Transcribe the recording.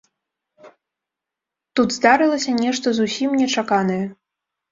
Тут здарылася нешта зусім нечаканае.